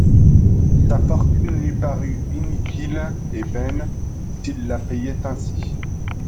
Sa fortune lui parut inutile et vaine, s'il la payait ainsi.